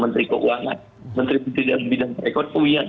menteri keuangan menteri menteri dalam bidang perekonomian